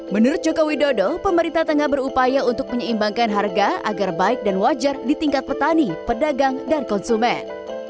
menurut jokowi dodo pemerintah tengah berupaya untuk menyeimbangkan harga agar baik dan wajar di tingkat petani pedagang dan konsumen